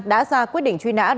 đã ra quyết định truy nã truy nã